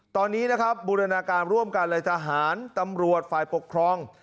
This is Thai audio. ตอนนี้นะครับบูรณาการร่วมกันเลยทหารตำรวจฝ่ายปกครอง